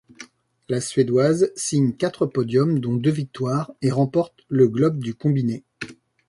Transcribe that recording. La suédoise signe quatre podiums dont deux victoires et remporte le globe du combiné.